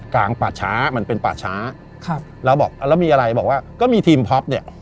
กลางปาช้ามันเป็นปาช้าแล้วมีอะไรบอกว่าก็มีทีมพล็อป